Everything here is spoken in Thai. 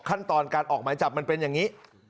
ขั้นตอนการออกหมายจับมันเป็นอย่างนี้